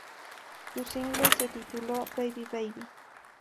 Su single se tituló "Baby Baby".